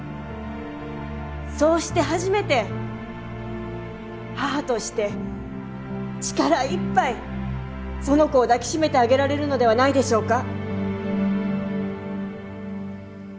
そうして初めて母として力いっぱいその子を抱き締めてあげられるのではないでしょうか。